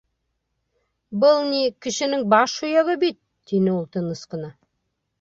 — Был ни, кешенең баш һөйәге бит, — тине ул тыныс ҡына.